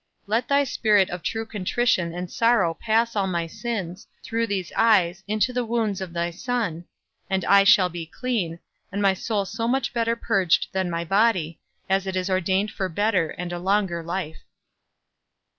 Let thy spirit of true contrition and sorrow pass all my sins, through these eyes, into the wounds of thy Son, and I shall be clean, and my soul so much better purged than my body, as it is ordained for better and a longer life.